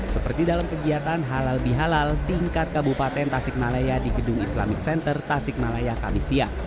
seperti dalam kegiatan halal bihalal tingkat kabupaten tasikmalaya di gedung islamic center tasikmalaya kamisia